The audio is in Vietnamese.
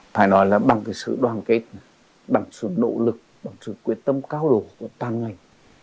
phải nói là bằng cái sự đoàn kết bằng sự nỗ lực bằng sự quyết tâm cao độ của toàn ngành